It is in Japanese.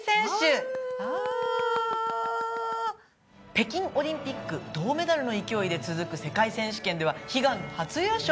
北京オリンピック銅メダルの勢いで続く世界選手権では悲願の初優勝。